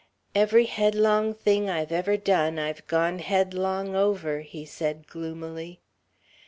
"Every headlong thing I've ever done I've gone headlong over," he said gloomily.